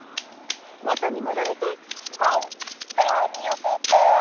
もとにもどれてほんとうによかった。